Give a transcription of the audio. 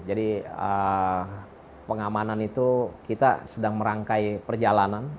jadi pengamanan itu kita sedang merangkai perjalanan